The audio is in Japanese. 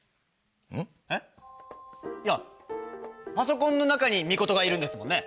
ん？えっ？いやパソコンの中にミコトがいるんですもんね？